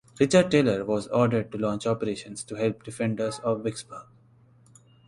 Richard Taylor was ordered to launch operations to help the defenders of Vicksburg.